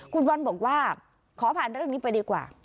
คุณบอลบอกว่าขอผ่านเรื่องนี้ไปดีกว่า